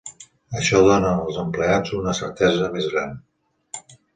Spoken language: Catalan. Això dóna als empleats una certesa més gran.